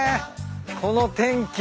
この天気。